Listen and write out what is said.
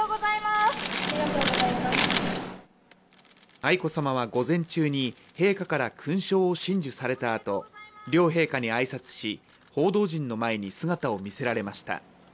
愛子さまは午前中に陛下から勲章を親授されたあと両陛下に挨拶し、報道陣の前に姿を見せられました。